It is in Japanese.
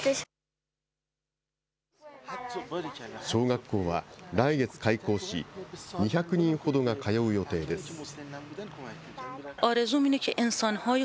小学校は来月開校し、２００人ほどが通う予定です。